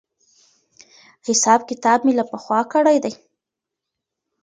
حساب کتاب مې له پخوا کړی دی.